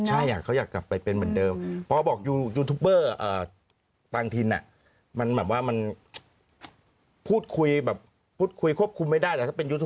ใช่อยากเขาอยากกลับไปเป็นเมื่อเดิมเบา้าเบอร์นะมันแต่ว่ามันภูเข้าคุมไม่ได้เป็น